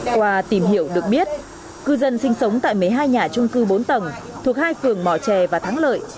qua tìm hiểu được biết cư dân sinh sống tại một mươi hai nhà trung cư bốn tầng thuộc hai phường mò trè và thắng lợi